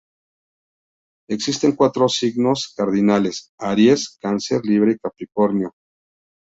Existen cuatro signos cardinales: Aries, Cáncer, Libra y Capricornio.